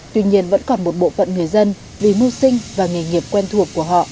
tuy nhiên vẫn còn một bộ phận người dân vì mưu sinh và nghề nghiệp quen thuộc của họ